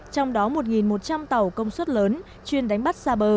trong đó một một trăm linh tàu công suất